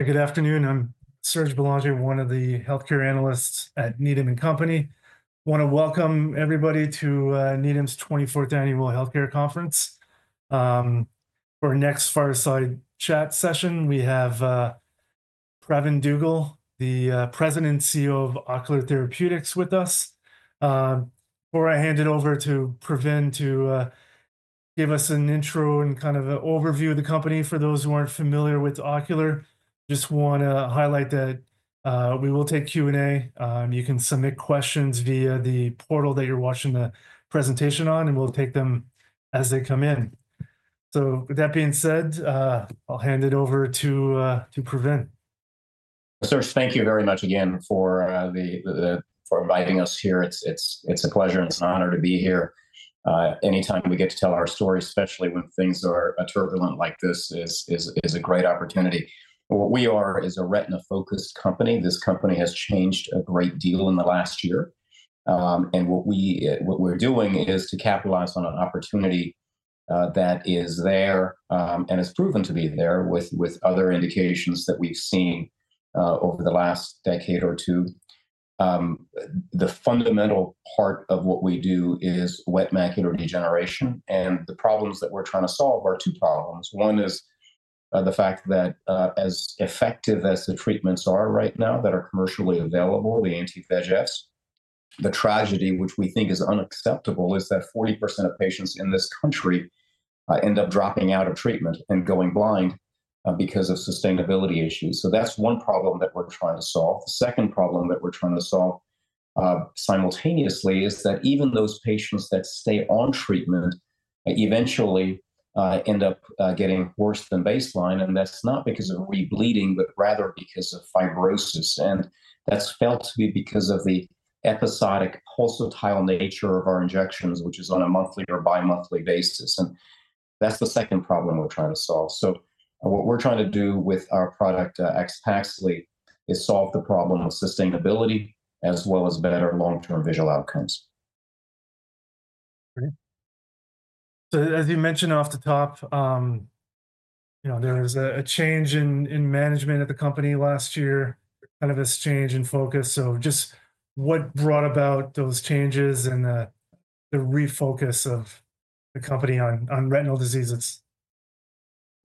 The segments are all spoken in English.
Good afternoon. I'm Serge Belanger, one of the healthcare analysts at Needham & Company. I want to welcome everybody to Needham's 24th Annual Healthcare Conference. For our next fireside chat session, we have Pravin Dugel, the President and CEO of Ocular Therapeutix, with us. Before I hand it over to Pravin to give us an intro and kind of an overview of the company, for those who aren't familiar with Ocular, I just want to highlight that we will take Q&A. You can submit questions via the portal that you're watching the presentation on, and we'll take them as they come in. With that being said, I'll hand it over to Pravin. Sir, thank you very much again for inviting us here. It's a pleasure and it's an honor to be here. Anytime we get to tell our story, especially when things are turbulent like this, is a great opportunity. What we are is a retina-focused company. This company has changed a great deal in the last year. What we're doing is to capitalize on an opportunity that is there and has proven to be there with other indications that we've seen over the last decade or two. The fundamental part of what we do is wet macular degeneration. The problems that we're trying to solve are two problems. One is the fact that, as effective as the treatments are right now that are commercially available, the anti-VEGFs, the tragedy which we think is unacceptable is that 40% of patients in this country end up dropping out of treatment and going blind because of sustainability issues. That is one problem that we're trying to solve. The second problem that we're trying to solve simultaneously is that even those patients that stay on treatment eventually end up getting worse than baseline. That is not because of rebleeding, but rather because of fibrosis. That is felt to be because of the episodic pulsatile nature of our injections, which is on a monthly or bi-monthly basis. That is the second problem we're trying to solve. What we're trying to do with our product AXPAXLI is solve the problem of sustainability as well as better long-term visual outcomes. Great. As you mentioned off the top, there was a change in management at the company last year, kind of a change in focus. Just what brought about those changes and the refocus of the company on retinal diseases?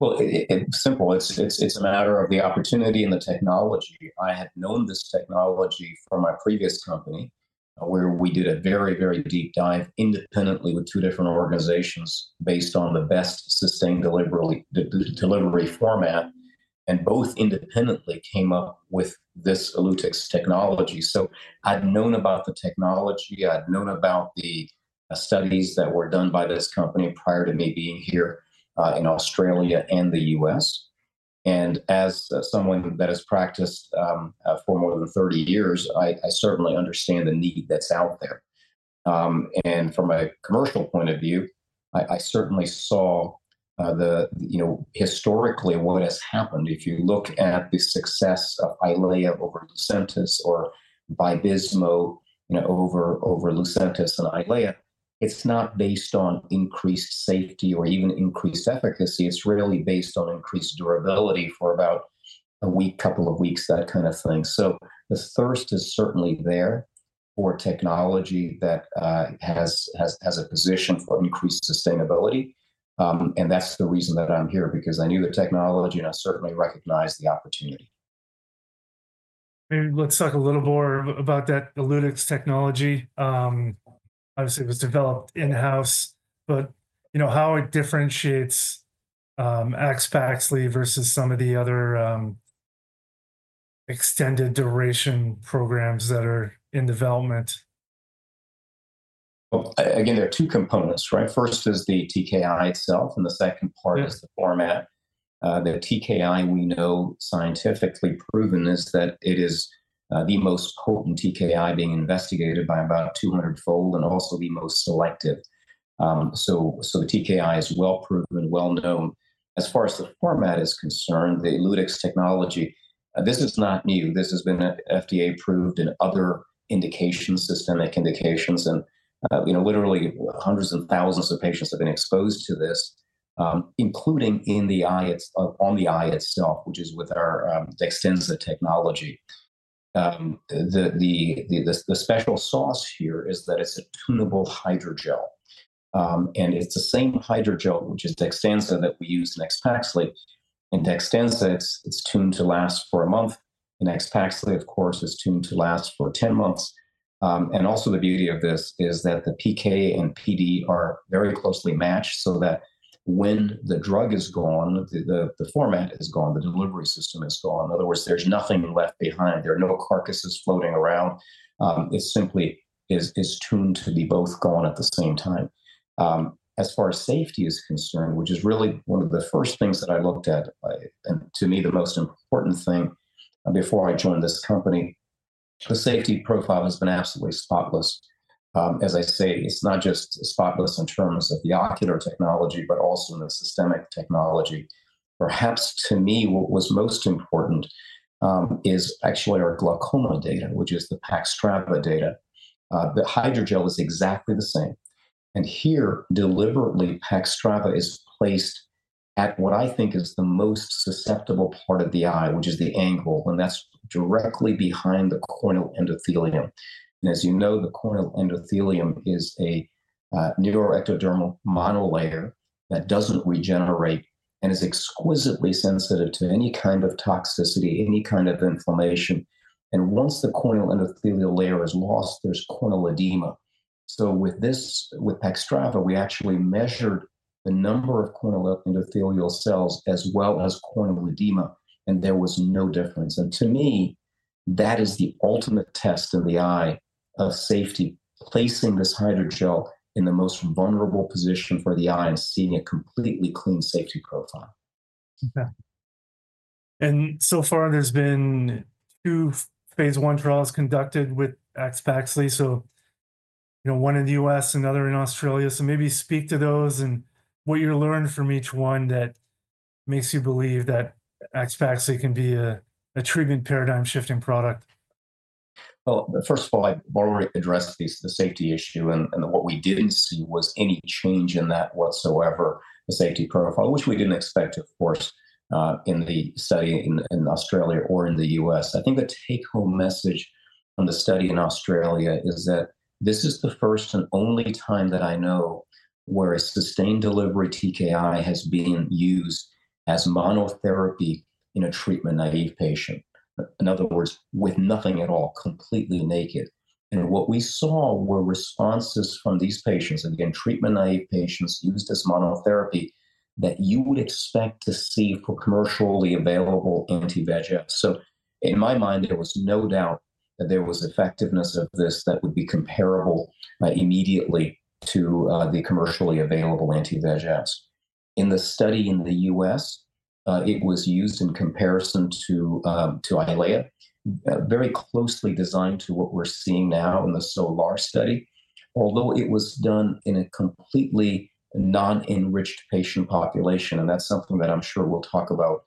It is a matter of the opportunity and the technology. I have known this technology from my previous company where we did a very, very deep dive independently with two different organizations based on the best sustained delivery format. Both independently came up with this ELUTYX technology. I had known about the technology. I had known about the studies that were done by this company prior to me being here in Australia and the U.S. As someone that has practiced for more than 30 years, I certainly understand the need that is out there. From a commercial point of view, I certainly saw historically what has happened. If you look at the success of Eylea over Lucentis or Vabysmo over Lucentis and Eylea, it is not based on increased safety or even increased efficacy. It's really based on increased durability for about a week, couple of weeks, that kind of thing. The thirst is certainly there for technology that has a position for increased sustainability. That's the reason that I'm here, because I knew the technology and I certainly recognized the opportunity. Let's talk a little more about that ELUTYX technology. Obviously, it was developed in-house, but how it differentiates AXPAXLI versus some of the other extended duration programs that are in development? Again, there are two components, right? First is the TKI itself, and the second part is the format. The TKI we know scientifically proven is that it is the most potent TKI being investigated by about 200-fold and also the most selective. So the TKI is well proven, well known. As far as the format is concerned, the ELUTYX technology, this is not new. This has been FDA approved in other systemic indications. Literally hundreds and thousands of patients have been exposed to this, including on the eye itself, which is with our Dextenza technology. The special sauce here is that it's a tunable hydrogel. It's the same hydrogel, which is Dextenza, that we use in AXPAXLI. In Dextenza, it's tuned to last for a month. In AXPAXLI, of course, it's tuned to last for 10 months. Also, the beauty of this is that the PK and PD are very closely matched so that when the drug is gone, the format is gone, the delivery system is gone. In other words, there is nothing left behind. There are no carcasses floating around. It simply is tuned to be both gone at the same time. As far as safety is concerned, which is really one of the first things that I looked at, and to me the most important thing before I joined this company, the safety profile has been absolutely spotless. As I say, it is not just spotless in terms of the ocular technology, but also in the systemic technology. Perhaps to me, what was most important is actually our glaucoma data, which is the PAXTRAVA data. The hydrogel is exactly the same. Here, deliberately, PAXTRAVA is placed at what I think is the most susceptible part of the eye, which is the angle, and that's directly behind the corneal endothelium. As you know, the corneal endothelium is a neuroepidermal monolayer that doesn't regenerate and is exquisitely sensitive to any kind of toxicity, any kind of inflammation. Once the corneal endothelial layer is lost, there's corneal edema. With PAXTRAVA, we actually measured the number of corneal endothelial cells as well as corneal edema, and there was no difference. To me, that is the ultimate test of the eye of safety, placing this hydrogel in the most vulnerable position for the eye and seeing a completely clean safety profile. Okay. So far, there's been two Phase I trials conducted with AXPAXLI, one in the U.S., another in Australia. Maybe speak to those and what you learned from each one that makes you believe that AXPAXLI can be a treatment paradigm-shifting product. First of all, I've already addressed the safety issue. What we didn't see was any change in that whatsoever, the safety profile, which we didn't expect, of course, in the study in Australia or in the U.S. I think the take-home message from the study in Australia is that this is the first and only time that I know where a sustained delivery TKI has been used as monotherapy in a treatment-naive patient. In other words, with nothing at all, completely naked. What we saw were responses from these patients, again, treatment-naive patients used as monotherapy that you would expect to see for commercially available anti-VEGF. In my mind, there was no doubt that there was effectiveness of this that would be comparable immediately to the commercially available anti-VEGFs. In the study in the U.S., it was used in comparison to Eylea, very closely designed to what we're seeing now in the SOLAR study, although it was done in a completely non-enriched patient population. That's something that I'm sure we'll talk about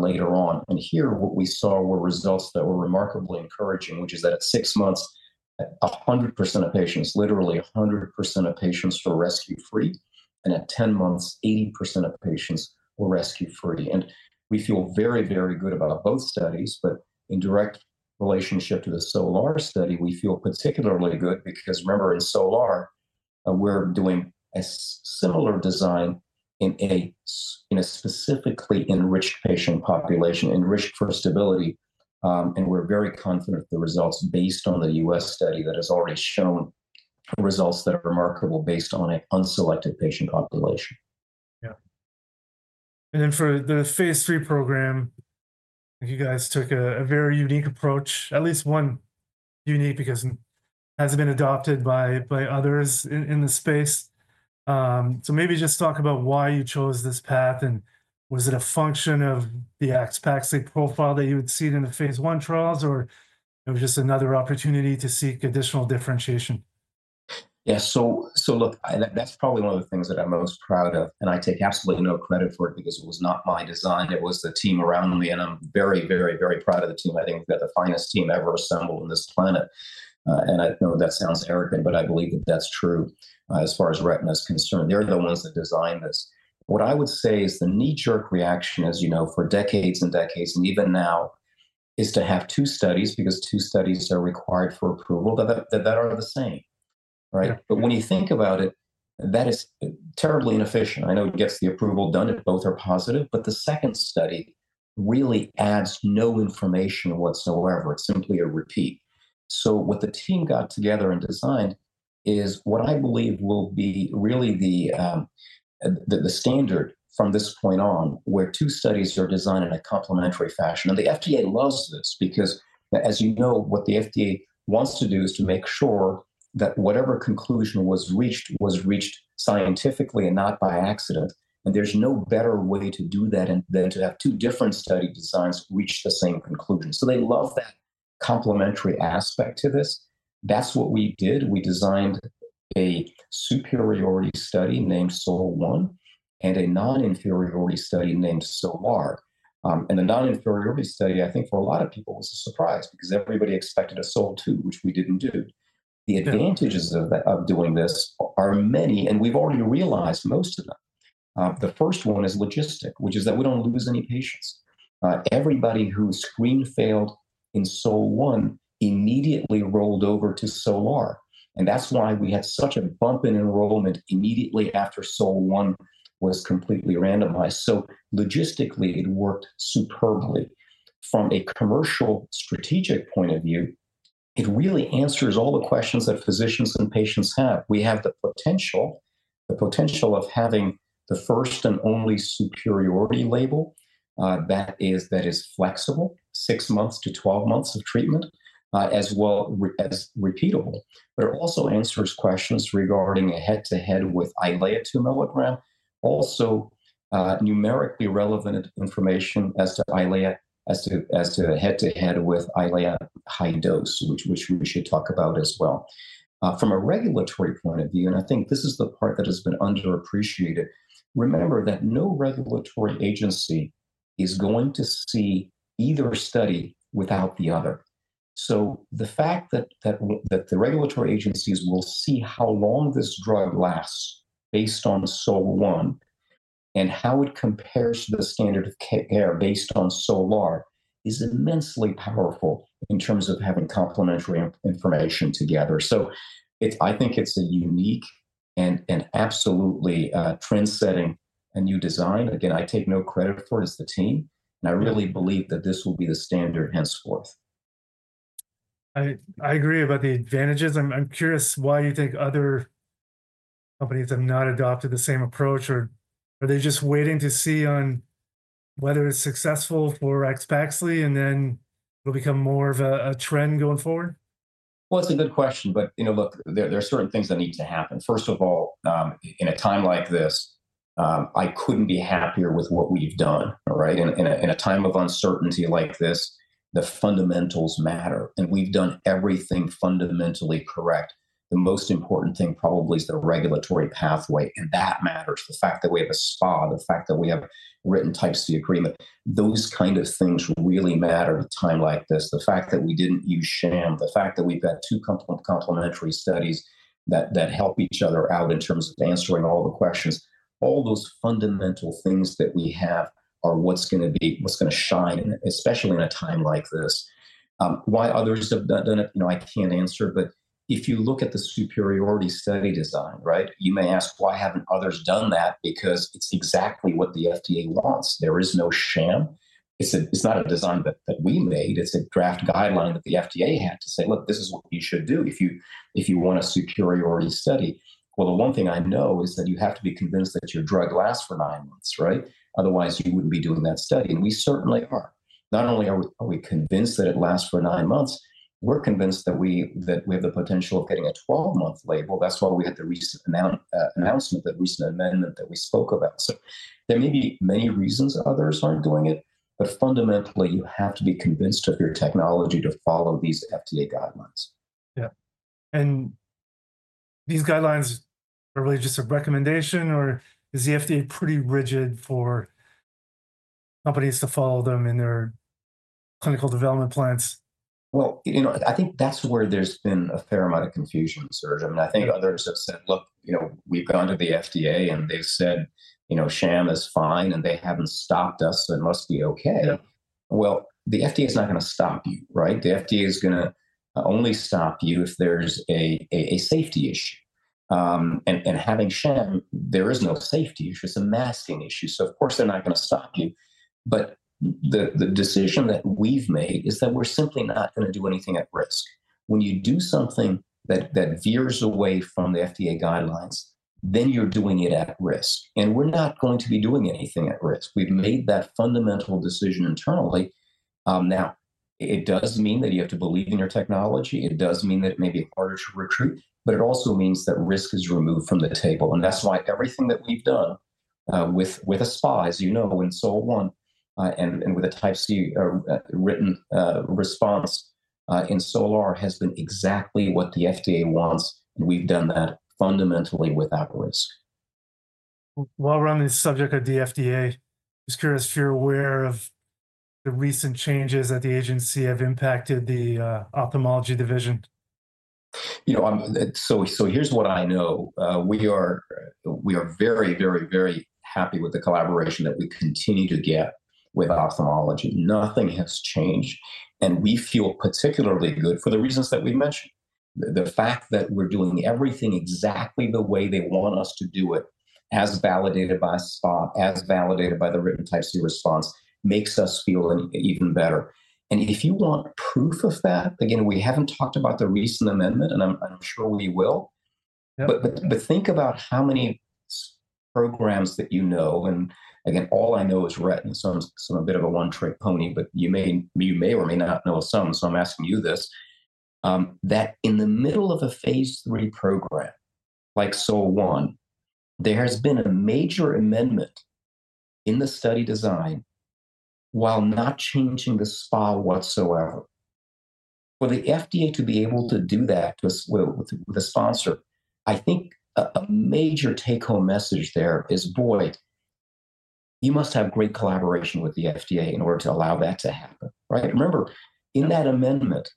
later on. Here, what we saw were results that were remarkably encouraging, which is that at six months, 100% of patients, literally 100% of patients were rescue-free. At 10 months, 80% of patients were rescue-free. We feel very, very good about both studies, but in direct relationship to the SOLAR study, we feel particularly good because remember, in SOLAR, we're doing a similar design in a specifically enriched patient population, enriched for stability. We're very confident of the results based on the U.S. study that has already shown results that are remarkable based on an unselected patient population. Yeah. For the Phase III program, you guys took a very unique approach, at least one unique because it hasn't been adopted by others in the space. Maybe just talk about why you chose this path. Was it a function of the AXPAXLI profile that you had seen in the Phase I trials, or was it just another opportunity to seek additional differentiation? Yeah. Look, that's probably one of the things that I'm most proud of. I take absolutely no credit for it because it was not my design. It was the team around me. I'm very, very, very proud of the team. I think they're the finest team ever assembled on this planet. I know that sounds arrogant, but I believe that that's true as far as retina is concerned. They're the ones that designed this. What I would say is the knee-jerk reaction, as you know, for decades and decades, and even now, is to have two studies because two studies are required for approval that are the same, right? When you think about it, that is terribly inefficient. I know it gets the approval done. Both are positive. The second study really adds no information whatsoever. It's simply a repeat. What the team got together and designed is what I believe will be really the standard from this point on where two studies are designed in a complementary fashion. The FDA loves this because, as you know, what the FDA wants to do is to make sure that whatever conclusion was reached was reached scientifically and not by accident. There is no better way to do that than to have two different study designs reach the same conclusion. They love that complementary aspect to this. That is what we did. We designed a superiority study named SOL-1 and a non-inferiority study named SOLAR. The non-inferiority study, I think for a lot of people, was a surprise because everybody expected a SOL2, which we did not do. The advantages of doing this are many, and we have already realized most of them. The first one is logistic, which is that we don't lose any patients. Everybody who screen failed in SOL-1 immediately rolled over to SOLAR. That is why we had such a bump in enrollment immediately after SOL-1 was completely randomized. Logistically, it worked superbly. From a commercial strategic point of view, it really answers all the questions that physicians and patients have. We have the potential of having the first and only superiority label that is flexible, six months to 12 months of treatment, as well as repeatable. It also answers questions regarding a head-to-head with Eylea 2 mg, also numerically relevant information as to Eylea as to head-to-head with Eylea high dose, which we should talk about as well. From a regulatory point of view, and I think this is the part that has been underappreciated, remember that no regulatory agency is going to see either study without the other. The fact that the regulatory agencies will see how long this drug lasts based on SOL-1 and how it compares to the standard of care based on SOLAR is immensely powerful in terms of having complementary information together. I think it's a unique and absolutely trendsetting new design. Again, I take no credit for it as the team. I really believe that this will be the standard henceforth. I agree about the advantages. I'm curious why you think other companies have not adopted the same approach. Are they just waiting to see on whether it's successful for AXPAXLI and then it'll become more of a trend going forward? It is a good question. Look, there are certain things that need to happen. First of all, in a time like this, I could not be happier with what we have done, right? In a time of uncertainty like this, the fundamentals matter. We have done everything fundamentally correct. The most important thing probably is the regulatory pathway. That matters. The fact that we have a SPA, the fact that we have written types of the agreement, those kinds of things really matter in a time like this. The fact that we did not use sham, the fact that we have two complementary studies that help each other out in terms of answering all the questions, all those fundamental things that we have are what is going to shine, especially in a time like this. Why others have done it, I cannot answer. If you look at the superiority study design, right, you may ask, why haven't others done that? Because it's exactly what the FDA wants. There is no sham. It's not a design that we made. It's a draft guideline that the FDA had to say, "Look, this is what you should do if you want a superiority study." The one thing I know is that you have to be convinced that your drug lasts for nine months, right? Otherwise, you wouldn't be doing that study. And we certainly are. Not only are we convinced that it lasts for nine months, we're convinced that we have the potential of getting a 12-month label. That's why we had the recent announcement, the recent amendment that we spoke about. There may be many reasons others aren't doing it, but fundamentally, you have to be convinced of your technology to follow these FDA guidelines. Yeah. Are these guidelines really just a recommendation, or is the FDA pretty rigid for companies to follow them in their clinical development plans? I think that's where there's been a fair amount of confusion, Serge. I mean, I think others have said, "Look, we've gone to the FDA, and they've said sham is fine, and they haven't stopped us. It must be okay." The FDA is not going to stop you, right? The FDA is going to only stop you if there's a safety issue. And having sham, there is no safety issue. It's a masking issue. Of course, they're not going to stop you. The decision that we've made is that we're simply not going to do anything at risk. When you do something that veers away from the FDA guidelines, then you're doing it at risk. We're not going to be doing anything at risk. We've made that fundamental decision internally. Now, it does mean that you have to believe in your technology. It does mean that it may be harder to recruit. It also means that risk is removed from the table. That's why everything that we've done with a SPA, as you know, in SOL-1 and with a type C written response in SOLAR has been exactly what the FDA wants. We've done that fundamentally without risk. While we're on this subject of the FDA, I was curious if you're aware of the recent changes at the agency have impacted the ophthalmology division. Here's what I know. We are very, very, very happy with the collaboration that we continue to get with ophthalmology. Nothing has changed. We feel particularly good for the reasons that we've mentioned. The fact that we're doing everything exactly the way they want us to do it, as validated by SPA, as validated by the written type C response, makes us feel even better. If you want proof of that, again, we haven't talked about the recent amendment, and I'm sure we will. Think about how many programs that you know. Again, all I know is retina. I'm a bit of a one-trick pony, but you may or may not know some. I'm asking you this: that in the middle of a Phase III program like SOL-1, there has been a major amendment in the study design while not changing the SPA whatsoever. For the FDA to be able to do that with a sponsor, I think a major take-home message there is, boy, you must have great collaboration with the FDA in order to allow that to happen, right? Remember, in that amendment,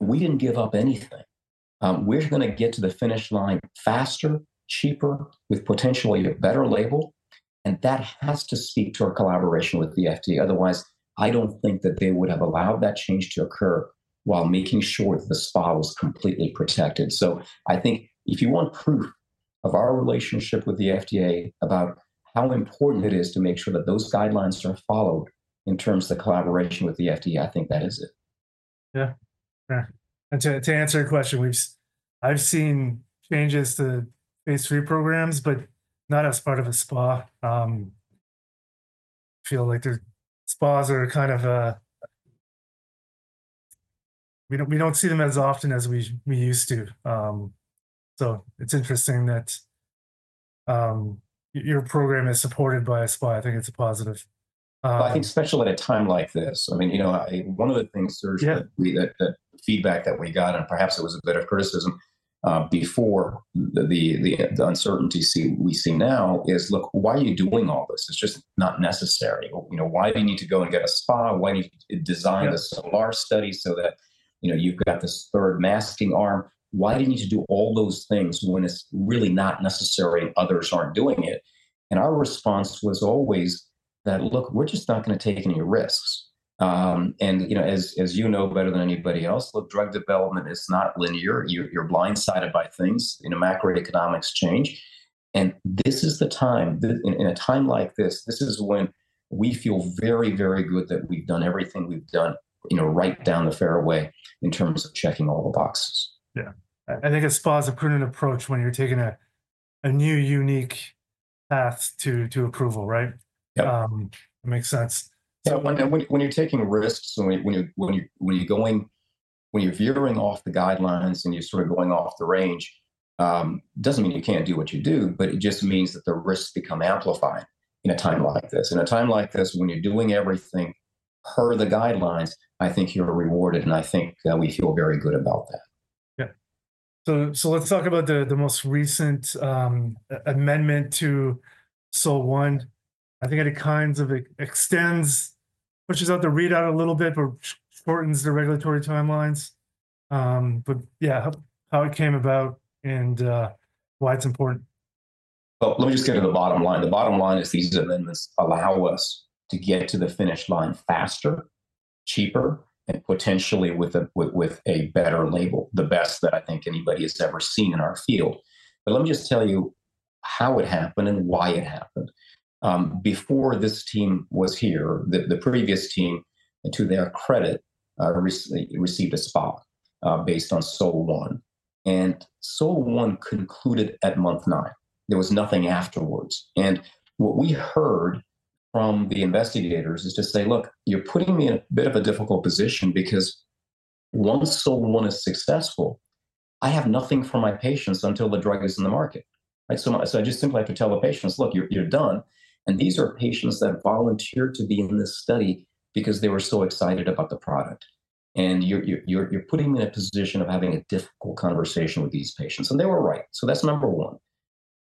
we didn't give up anything. We're going to get to the finish line faster, cheaper, with potentially a better label. That has to speak to our collaboration with the FDA. Otherwise, I don't think that they would have allowed that change to occur while making sure that the SPA was completely protected. I think if you want proof of our relationship with the FDA about how important it is to make sure that those guidelines are followed in terms of the collaboration with the FDA, I think that is it. Yeah. Yeah. To answer your question, I've seen changes to Phase III programs, but not as part of a SPA. I feel like the SPAs are kind of a—we do not see them as often as we used to. It is interesting that your program is supported by a SPA. I think it is a positive. I think especially at a time like this. I mean, one of the things, Serge, that feedback that we got, and perhaps it was a bit of criticism before the uncertainty we see now is, look, why are you doing all this? It's just not necessary. Why do you need to go and get a SPA? Why do you need to design the SOLAR study so that you've got this third masking arm? Why do you need to do all those things when it's really not necessary and others aren't doing it? Our response was always that, look, we're just not going to take any risks. As you know better than anybody else, look, drug development is not linear. You're blindsided by things. Macroeconomics change. This is the time—in a time like this, this is when we feel very, very good that we've done everything we've done right down the fairway in terms of checking all the boxes. Yeah. I think a SPA is a prudent approach when you're taking a new, unique path to approval, right? Yeah. That makes sense. When you're taking risks and when you're veering off the guidelines and you're sort of going off the range, it doesn't mean you can't do what you do, but it just means that the risks become amplified in a time like this. In a time like this, when you're doing everything per the guidelines, I think you're rewarded. I think we feel very good about that. Yeah. Let's talk about the most recent amendment to SOL-1. I think it kind of extends, pushes out the readout a little bit, but shortens the regulatory timelines. Yeah, how it came about and why it's important. Let me just get to the bottom line. The bottom line is these amendments allow us to get to the finish line faster, cheaper, and potentially with a better label, the best that I think anybody has ever seen in our field. Let me just tell you how it happened and why it happened. Before this team was here, the previous team, to their credit, received a SPA based on SOL-1. SOL-1 concluded at month nine. There was nothing afterwards. What we heard from the investigators is to say, "Look, you're putting me in a bit of a difficult position because once SOL-1 is successful, I have nothing for my patients until the drug is in the market." I just simply have to tell the patients, "Look, you're done." These are patients that volunteered to be in this study because they were so excited about the product. You're putting me in a position of having a difficult conversation with these patients. They were right. That is number one.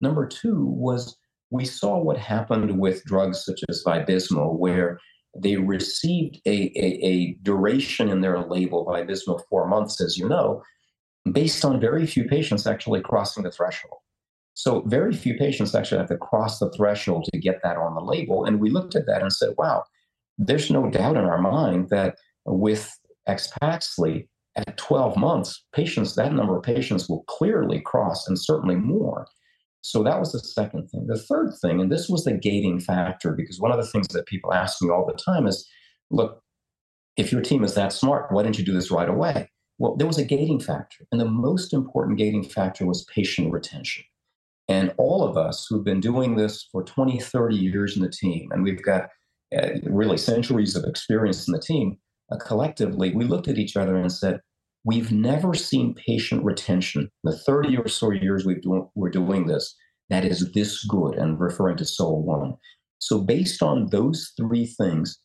Number two was we saw what happened with drugs such as Vabysmo, where they received a duration in their label, Vabysmo four months, as you know, based on very few patients actually crossing the threshold. Very few patients actually have to cross the threshold to get that on the label. We looked at that and said, "Wow, there's no doubt in our mind that with AXPAXLI at 12 months, that number of patients will clearly cross and certainly more." That was the second thing. The third thing, and this was the gating factor, because one of the things that people ask me all the time is, "Look, if your team is that smart, why didn't you do this right away?" There was a gating factor. The most important gating factor was patient retention. All of us who've been doing this for 20, 30 years in the team, and we've got really centuries of experience in the team, collectively, we looked at each other and said, "We've never seen patient retention in the 30 or so years we're doing this that is this good," and referring to SOL-1. Based on those three things,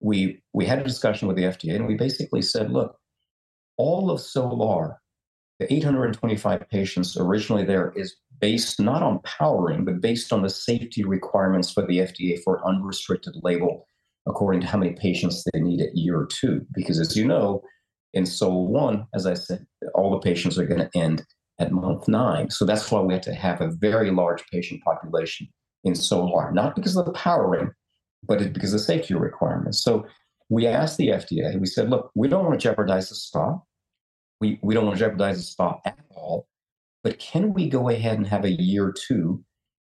we had a discussion with the FDA, and we basically said, "Look, all of SOLAR, the 825 patients originally there is based not on powering, but based on the safety requirements for the FDA for unrestricted label according to how many patients they need at year two." Because as you know, in SOL-1, as I said, all the patients are going to end at month nine. That is why we have to have a very large patient population in SOLAR, not because of the powering, but because of the safety requirements. We asked the FDA, we said, "Look, we do not want to jeopardize the SPA. We do not want to jeopardize the SPA at all. But can we go ahead and have a year two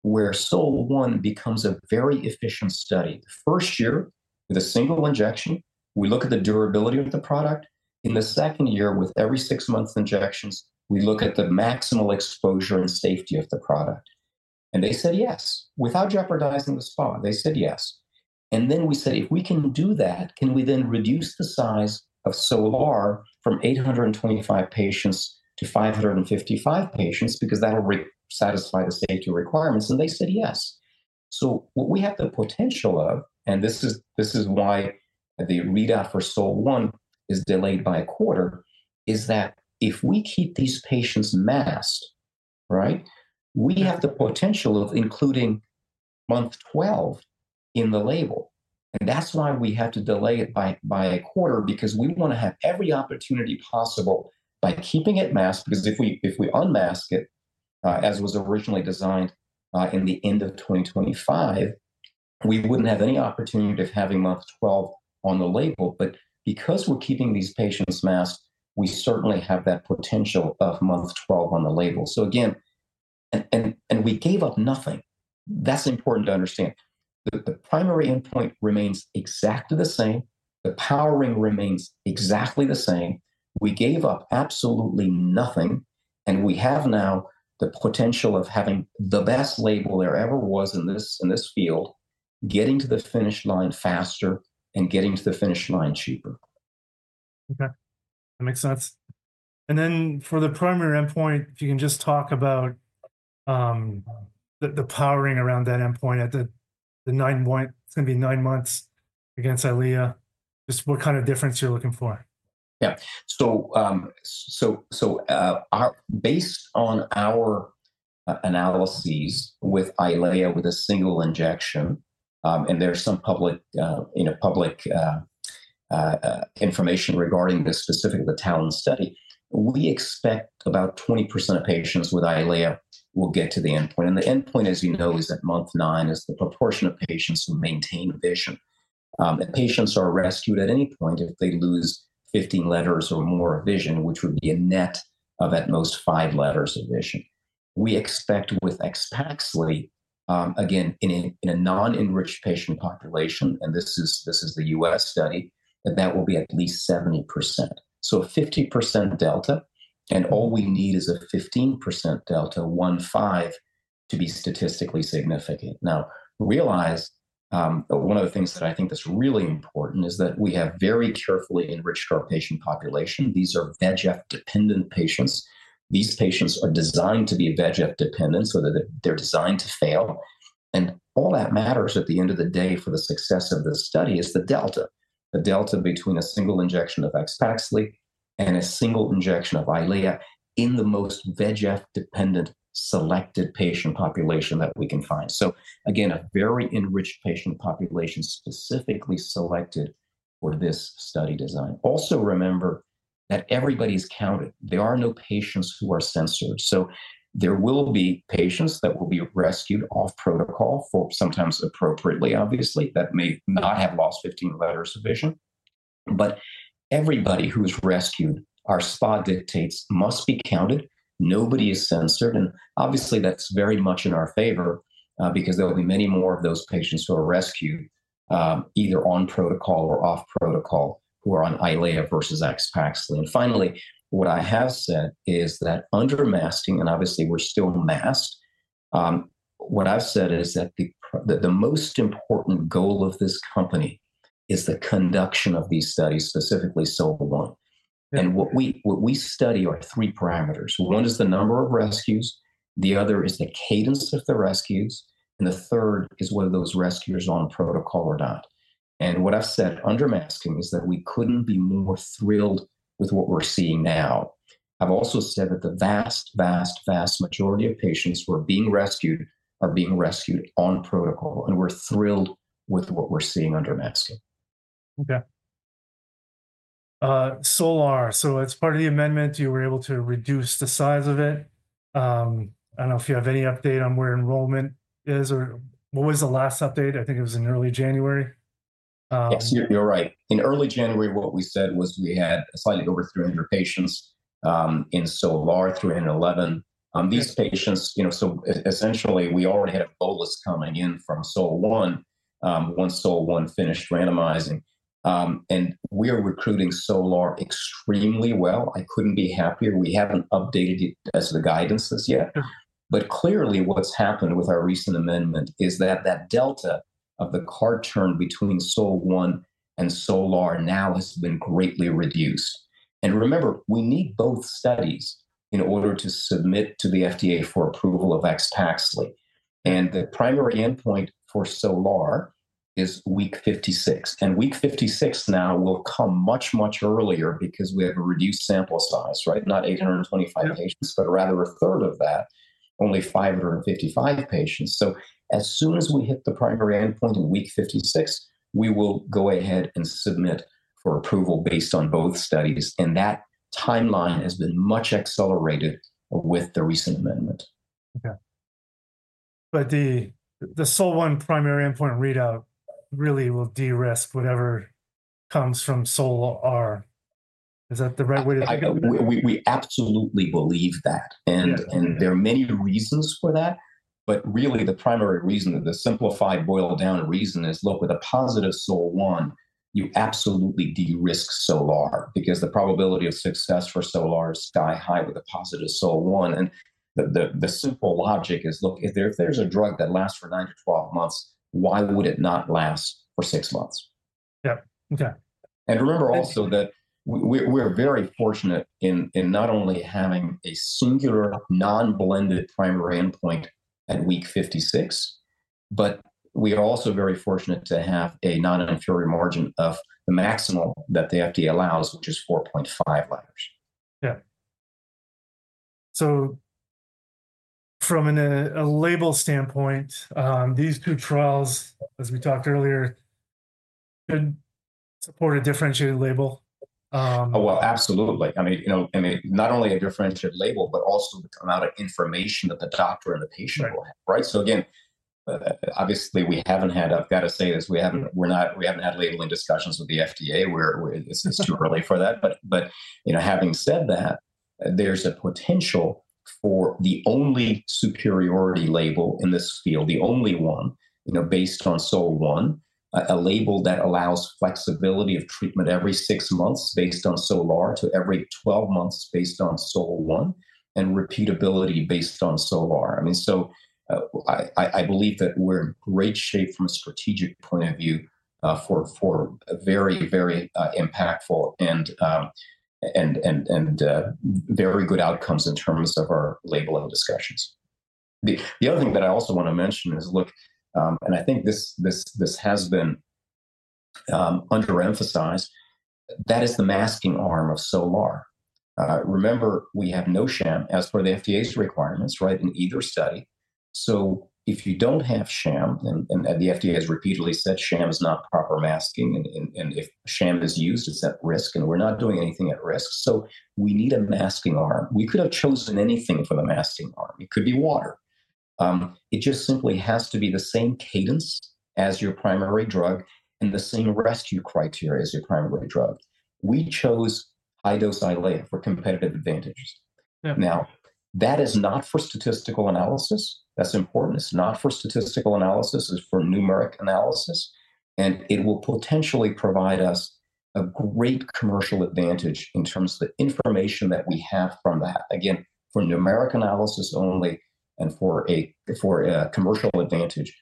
where SOL-1 becomes a very efficient study? The first year with a single injection, we look at the durability of the product. In the second year, with every six-month injections, we look at the maximal exposure and safety of the product. They said, "Yes." Without jeopardizing the SPA, they said, "Yes." We said, "If we can do that, can we then reduce the size of SOLAR from 825 patients to 555 patients because that'll satisfy the safety requirements?" They said, "Yes." What we have the potential of, and this is why the readout for SOL-1 is delayed by a quarter, is that if we keep these patients masked, right, we have the potential of including month 12 in the label. That is why we have to delay it by a quarter because we want to have every opportunity possible by keeping it masked. Because if we unmask it, as it was originally designed in the end of 2025, we would not have any opportunity of having month 12 on the label. Because we are keeping these patients masked, we certainly have that potential of month 12 on the label. Again, we gave up nothing. That is important to understand. The primary endpoint remains exactly the same. The powering remains exactly the same. We gave up absolutely nothing. We now have the potential of having the best label there ever was in this field, getting to the finish line faster and getting to the finish line cheaper. Okay. That makes sense. For the primary endpoint, if you can just talk about the powering around that endpoint at the nine-month, it's going to be nine months against Eylea. Just what kind of difference you're looking for? Yeah. Based on our analyses with Eylea with a single injection, and there's some public information regarding this, specifically the TALON study, we expect about 20% of patients with Eylea will get to the endpoint. The endpoint, as you know, is at month nine and is the proportion of patients who maintain vision. Patients are rescued at any point if they lose 15 letters or more of vision, which would be a net of at most five letters of vision. We expect with AXPAXLI, again, in a non-enriched patient population, and this is the U.S. study, that that will be at least 70%. A 50% delta, and all we need is a 15% delta, 1.5, to be statistically significant. Now, realize one of the things that I think is really important is that we have very carefully enriched our patient population. These are VEGF-dependent patients. These patients are designed to be VEGF-dependent so that they're designed to fail. All that matters at the end of the day for the success of the study is the delta, the delta between a single injection of AXPAXLI and a single injection of Eylea in the most VEGF-dependent selected patient population that we can find. Again, a very enriched patient population specifically selected for this study design. Also remember that everybody's counted. There are no patients who are censored. There will be patients that will be rescued off protocol for sometimes appropriately, obviously, that may not have lost 15 letters of vision. Everybody who is rescued, our SPA dictates, must be counted. Nobody is censored. Obviously, that's very much in our favor because there will be many more of those patients who are rescued either on protocol or off protocol who are on Eylea versus AXPAXLI. Finally, what I have said is that under masking, and obviously, we're still masked, what I've said is that the most important goal of this company is the conduction of these studies, specifically SOL-1. What we study are three parameters. One is the number of rescues. The other is the cadence of the rescues. The third is whether those rescuers are on protocol or not. What I've said under masking is that we couldn't be more thrilled with what we're seeing now. I've also said that the vast, vast, vast majority of patients who are being rescued are being rescued on protocol. We're thrilled with what we're seeing under masking. Okay. SOLAR. As part of the amendment, you were able to reduce the size of it. I don't know if you have any update on where enrollment is or what was the last update. I think it was in early January. Yes, you're right. In early January, what we said was we had slightly over 300 patients in SOLAR, 311. These patients, so essentially, we already had a bolus coming in from SOL-1 once SOL-1 finished randomizing. We are recruiting SOLAR extremely well. I couldn't be happier. We haven't updated it as the guidance is yet. Clearly, what's happened with our recent amendment is that that delta of the card turn between SOL-1 and SOLAR now has been greatly reduced. Remember, we need both studies in order to submit to the FDA for approval of AXPAXLI. The primary endpoint for SOLAR is week 56. Week 56 now will come much, much earlier because we have a reduced sample size, right? Not 825 patients, but rather a third of that, only 555 patients. As soon as we hit the primary endpoint in week 56, we will go ahead and submit for approval based on both studies. That timeline has been much accelerated with the recent amendment. Okay. The SOL-1 primary endpoint readout really will de-risk whatever comes from SOLAR. Is that the right way to think about it? We absolutely believe that. There are many reasons for that. Really, the primary reason, the simplified boil-down reason is, look, with a positive SOL-1, you absolutely de-risk SOLAR because the probability of success for SOLAR is sky-high with a positive SOL-1. The simple logic is, look, if there is a drug that lasts for 9-12 months, why would it not last for six months? Yeah. Okay. Remember also that we're very fortunate in not only having a singular non-blended primary endpoint at week 56, but we are also very fortunate to have a non-inferior margin of the maximal that the FDA allows, which is 4.5 letters. Yeah. From a label standpoint, these two trials, as we talked earlier, should support a differentiated label. Oh, absolutely. I mean, not only a differentiated label, but also the amount of information that the doctor and the patient will have, right? Again, obviously, we haven't had, I've got to say this, we haven't had labeling discussions with the FDA. It's too early for that. Having said that, there's a potential for the only superiority label in this field, the only one based on SOL-1, a label that allows flexibility of treatment every six months based on SOLAR to every 12 months based on SOL-1 and repeatability based on SOLAR. I mean, I believe that we're in great shape from a strategic point of view for very, very impactful and very good outcomes in terms of our labeling discussions. The other thing that I also want to mention is, look, and I think this has been underemphasized, that is the masking arm of SOLAR. Remember, we have no sham as per the FDA's requirements, right, in either study. If you do not have sham, and the FDA has repeatedly said sham is not proper masking, and if sham is used, it is at risk, and we are not doing anything at risk. We need a masking arm. We could have chosen anything for the masking arm. It could be water. It just simply has to be the same cadence as your primary drug and the same rescue criteria as your primary drug. We chose high-dose Eylea for competitive advantages. That is not for statistical analysis. That is important. It is not for statistical analysis. It is for numeric analysis. It will potentially provide us a great commercial advantage in terms of the information that we have from that. Again, for numeric analysis only and for a commercial advantage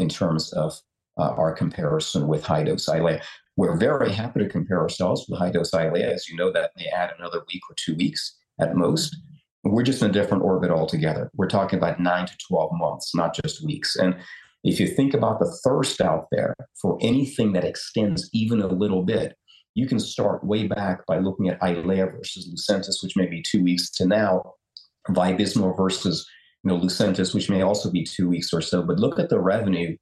in terms of our comparison with high-dose Eylea. We're very happy to compare ourselves with high-dose Eylea. As you know, that may add another week or two weeks at most. We're just in a different orbit altogether. We're talking about 9-12 months, not just weeks. If you think about the thirst out there for anything that extends even a little bit, you can start way back by looking at Eylea versus Lucentis, which may be two weeks to now, Vabysmo versus Lucentis, which may also be two weeks or so. Look at the revenue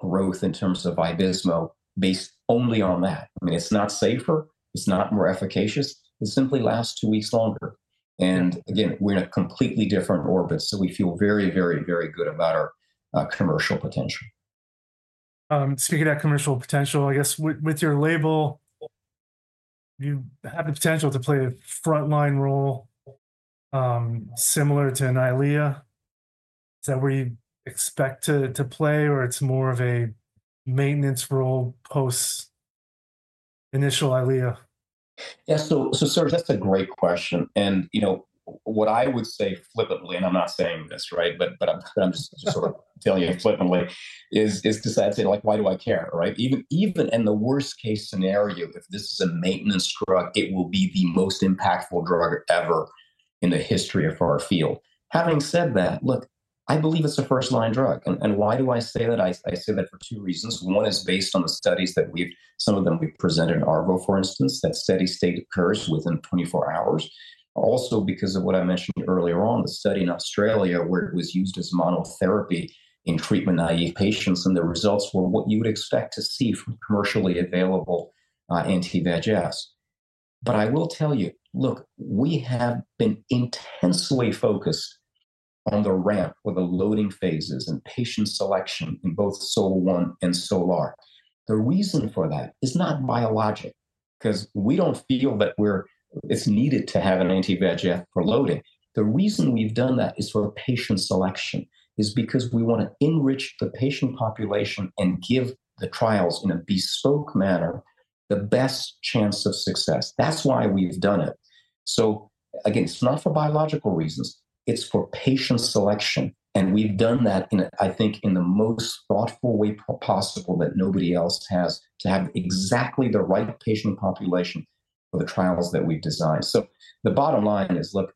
growth in terms of Vabysmo based only on that. I mean, it's not safer. It's not more efficacious. It simply lasts two weeks longer. Again, we're in a completely different orbit. We feel very, very, very good about our commercial potential. Speaking of that commercial potential, I guess with your label, you have the potential to play a frontline role similar to an Eylea. Is that where you expect to play, or it's more of a maintenance role post-initial Eylea? Yeah. Sir, that's a great question. What I would say flippantly, and I'm not saying this, right? I'm just sort of telling you flippantly, is to say, like, why do I care, right? Even in the worst-case scenario, if this is a maintenance drug, it will be the most impactful drug ever in the history of our field. Having said that, look, I believe it's a first-line drug. Why do I say that? I say that for two reasons. One is based on the studies that we've, some of them we've presented in ARVO, for instance, that steady state occurs within 24 hours. Also because of what I mentioned earlier on, the study in Australia where it was used as monotherapy in treatment-naive patients. The results were what you would expect to see from commercially available anti-VEGF. I will tell you, look, we have been intensely focused on the ramp or the loading phases and patient selection in both SOL-1 and SOLAR. The reason for that is not biologic because we do not feel that it is needed to have an anti-VEGF for loading. The reason we have done that for patient selection is because we want to enrich the patient population and give the trials in a bespoke manner the best chance of success. That is why we have done it. It is not for biological reasons. It is for patient selection. We have done that, I think, in the most thoughtful way possible that nobody else has to have exactly the right patient population for the trials that we have designed. The bottom line is, look,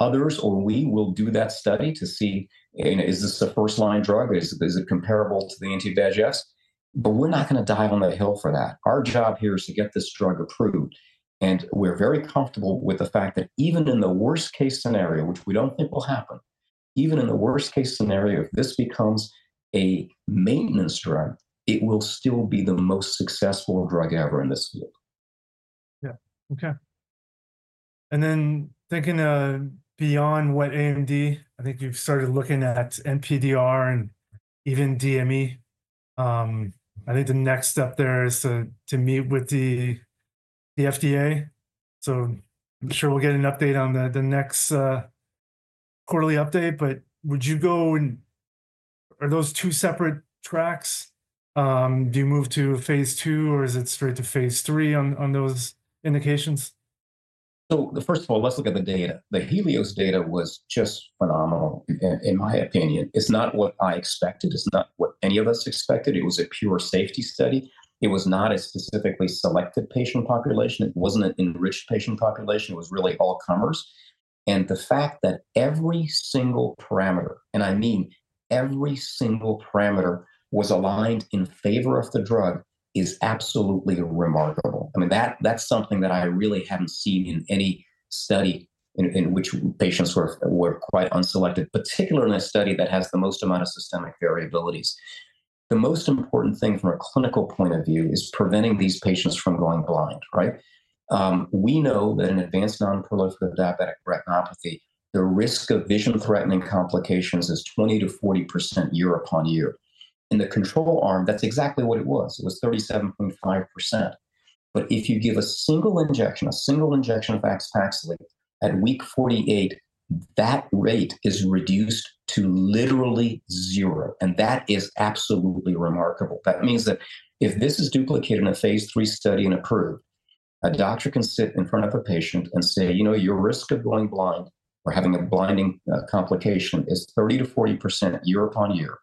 others or we will do that study to see, is this a first-line drug? Is it comparable to the anti-VEGFs? We're not going to dive on the hill for that. Our job here is to get this drug approved. We're very comfortable with the fact that even in the worst-case scenario, which we don't think will happen, even in the worst-case scenario, if this becomes a maintenance drug, it will still be the most successful drug ever in this field. Yeah. Okay. Thinking beyond wet AMD, I think you've started looking at NPDR and even DME. I think the next step there is to meet with the FDA. I'm sure we'll get an update on the next quarterly update. Would you go, and are those two separate tracks? Do you move to Phase II, or is it straight to Phase III on those indications? First of all, let's look at the data. The Helios data was just phenomenal, in my opinion. It's not what I expected. It's not what any of us expected. It was a pure safety study. It was not a specifically selected patient population. It wasn't an enriched patient population. It was really all comers. The fact that every single parameter, and I mean every single parameter, was aligned in favor of the drug is absolutely remarkable. I mean, that's something that I really haven't seen in any study in which patients were quite unselected, particularly in a study that has the most amount of systemic variabilities. The most important thing from a clinical point of view is preventing these patients from going blind, right? We know that in advanced nonproliferative diabetic retinopathy, the risk of vision-threatening complications is 20%-40% year-upon-year. In the control arm, that's exactly what it was. It was 37.5%. If you give a single injection, a single injection of AXPAXLI at week 48, that rate is reduced to literally zero. That is absolutely remarkable. That means that if this is duplicated in a Phase III study and approved, a doctor can sit in front of a patient and say, you know, your risk of going blind or having a blinding complication is 30%-40% year-upon-year.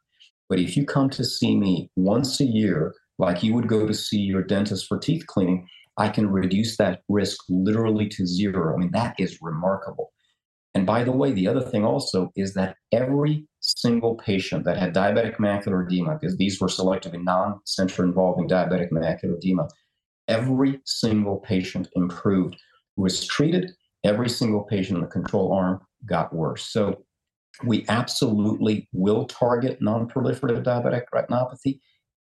If you come to see me once a year, like you would go to see your dentist for teeth cleaning, I can reduce that risk literally to zero. I mean, that is remarkable. By the way, the other thing also is that every single patient that had diabetic macular edema, because these were selectively non-centre-involving diabetic macular edema, every single patient improved. Who was treated, every single patient in the control arm got worse. We absolutely will target nonproliferative diabetic retinopathy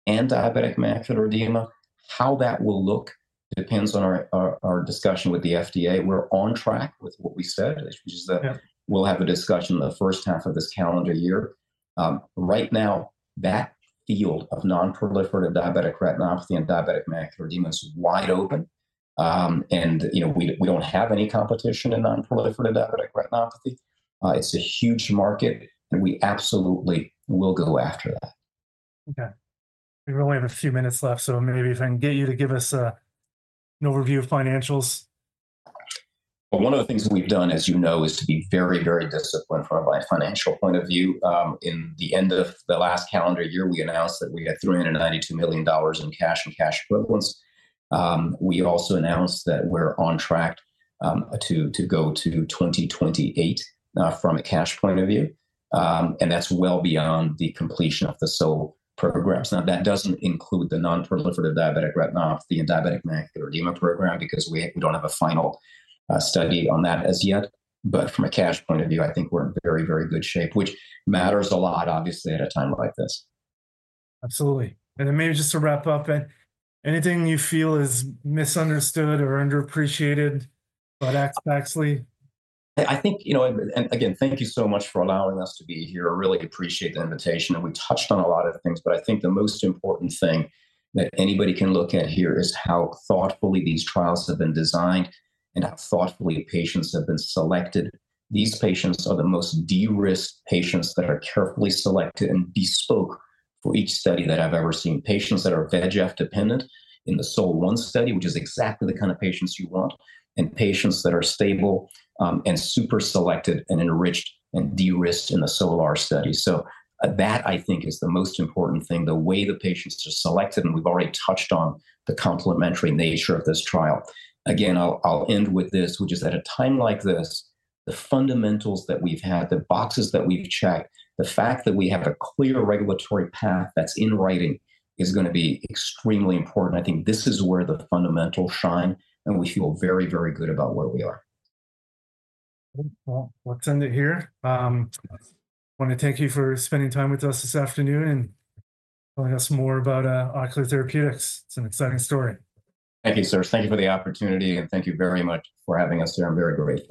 and diabetic macular edema. How that will look depends on our discussion with the FDA. We're on track with what we said, which is that we'll have a discussion in the first half of this calendar year. Right now, that field of nonproliferative diabetic retinopathy and diabetic macular edema is wide open. We don't have any competition in nonproliferative diabetic retinopathy. It's a huge market, and we absolutely will go after that. Okay. We really have a few minutes left. Maybe if I can get you to give us an overview of financials. One of the things we've done, as you know, is to be very, very disciplined from a financial point of view. At the end of the last calendar year, we announced that we had $392 million in cash and cash equivalents. We also announced that we're on track to go to 2028 from a cash point of view. That is well beyond the completion of the SOL programs. That does not include the nonproliferative diabetic retinopathy and diabetic macular edema program because we do not have a final study on that as yet. From a cash point of view, I think we're in very, very good shape, which matters a lot, obviously, at a time like this. Absolutely. Maybe just to wrap up, anything you feel is misunderstood or underappreciated about AXPAXLI? I think, you know, and again, thank you so much for allowing us to be here. I really appreciate the invitation. We touched on a lot of things, but I think the most important thing that anybody can look at here is how thoughtfully these trials have been designed and how thoughtfully patients have been selected. These patients are the most de-risked patients that are carefully selected and bespoke for each study that I've ever seen. Patients that are VEGF-dependent in the SOL-1 study, which is exactly the kind of patients you want, and patients that are stable and super selected and enriched and de-risked in the SOLAR study. That, I think, is the most important thing. The way the patients are selected, and we've already touched on the complementary nature of this trial. Again, I'll end with this, which is at a time like this, the fundamentals that we've had, the boxes that we've checked, the fact that we have a clear regulatory path that's in writing is going to be extremely important. I think this is where the fundamentals shine, and we feel very, very good about where we are. Let's end it here. I want to thank you for spending time with us this afternoon and telling us more about Ocular Therapeutix. It's an exciting story. Thank you, sir. Thank you for the opportunity, and thank you very much for having us here. I'm very grateful.